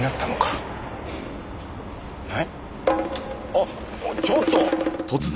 あっちょっと！